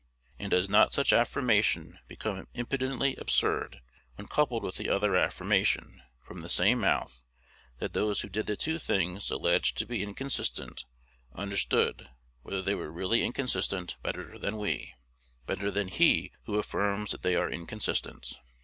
And does not such affirmation become impudently absurd when coupled with the other affirmation, from the same mouth, that those who did the two things alleged to be inconsistent understood whether they were really inconsistent better than we, better than he who affirms that they are inconsistent?